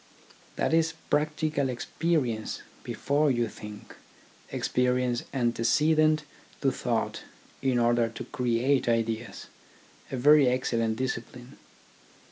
That is practical experience before you think, experience ante cedent to thought in order to create ideas, a very excellent discipline.